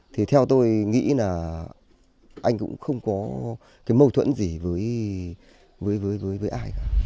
thì theo tôi nghĩ là anh cũng không có cái mâu thuẫn gì với ai cả